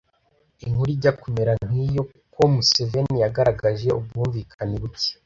inkuru ijya kumera nk'iyo, ko museveni yagaragaje ubwumvikane buke